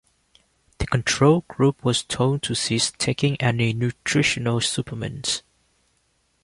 The control group was told to cease taking any nutritional supplements.